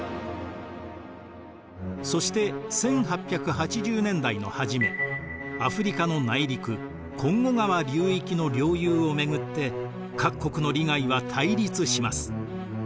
そして１８８０年代の初めアフリカの内陸コンゴ川流域の領有を巡って各国の利害は対立します。